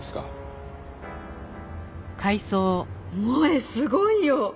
萌絵すごいよ！